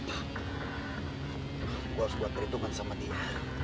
gue harus buat perhitungan sama dia